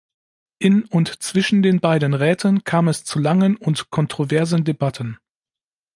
In und zwischen den beiden Räten kam es zu langen und kontroversen Debatten.